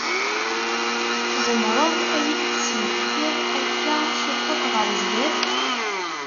Tzemreḍ ad yi-d-tesmektiḍ akka ciṭuḥ ɣer zzat?